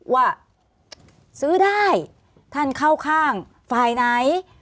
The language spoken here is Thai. ว่าซื้อได้ท่านเข้าข้างไฟไนท์